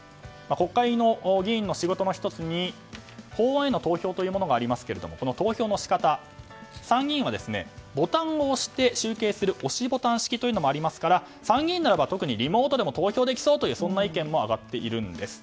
国会議員の仕事の１つに法案への投票というものがありますが投票の仕方参議院はボタンを押して集計する押しボタン式がありますから参議院ならば特にリモートでも投票できそうという意見も上がっているんです。